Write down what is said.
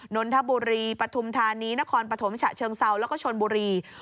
นนทบุรีปฐุมธานีนครปฐมฉะเชิงเซาแล้วก็ชนบุรี